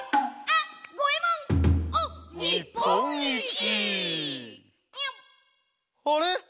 「あれ！